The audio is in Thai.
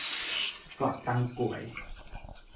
เกาะตังกวย